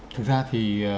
thực ra thì